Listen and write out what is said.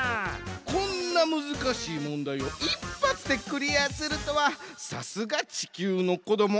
こんなむずかしいもんだいをいっぱつでクリアするとはさすが地球のこども